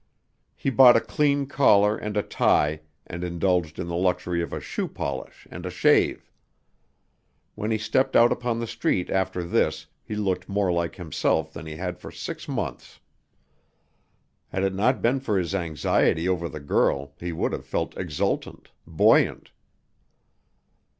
He bought a clean collar and a tie and indulged in the luxury of a shoe polish and a shave. When he stepped out upon the street after this he looked more like himself than he had for six months. Had it not been for his anxiety over the girl, he would have felt exultant, buoyant.